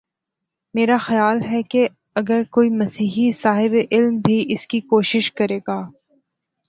میرا خیال ہے کہ اگر کوئی مسیحی صاحب علم بھی اس کی کوشش کرے گا۔